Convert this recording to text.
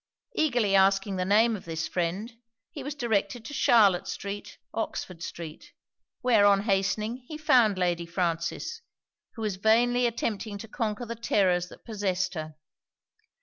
Eagerly asking the name of this friend, he was directed to Charlotte street, Oxford street; where on hastening he found Lady Frances, who was vainly attempting to conquer the terrors that possessed her.